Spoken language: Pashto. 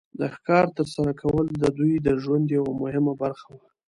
د ښکار تر سره کول د دوی د ژوند یو مهمه برخه وه.